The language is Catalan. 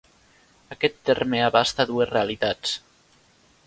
Aquest terme abasta dues realitats.